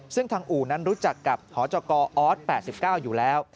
ซึ่งทางอู่นั้นรู้จักกับหจกออส๘๙อยู่แล้ว